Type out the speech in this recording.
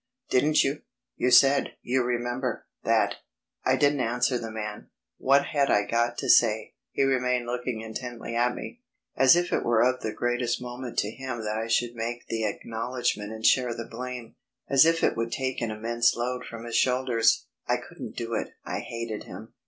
Didn't you.... You said, you remember ... that...." I didn't answer the man. What had I got to say? He remained looking intently at me, as if it were of the greatest moment to him that I should make the acknowledgment and share the blame as if it would take an immense load from his shoulders. I couldn't do it; I hated him.